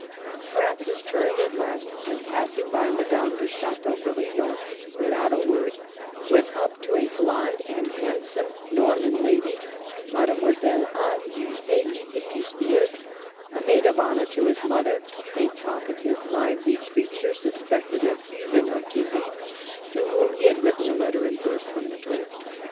Francis turned at last, and, pass ing by Madame de Chateaubriand without a word, went up to a blond and handsome Nor man lady, Mademoiselle Anne du Heilly de Pisseleu, a maid of honor to his mother, a talka tive, lively creature, suspected of Huguenotism, to whom he had written a letter in verse from Madrid.